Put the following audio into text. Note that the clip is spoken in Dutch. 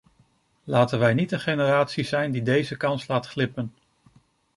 Laten wij niet de generatie zijn die deze kans laat glippen.